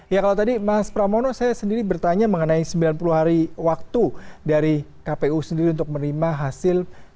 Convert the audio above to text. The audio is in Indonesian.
ya kalau tadi mas pramono saya sendiri bertanya mengenai sembilan puluh hari waktu dari kpu sendiri untuk menerima hasil